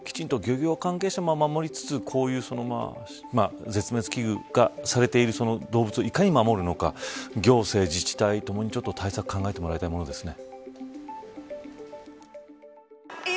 あらためて、ワシントン条約でも保護されている動物なのできちんと漁業関係者も守りつつこういう絶滅危惧がされている動物をいかに守るのか行政自治体ともに対策を考えてもらいたいものですね。